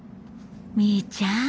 みーちゃん